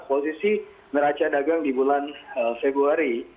posisi neraca dagang di bulan februari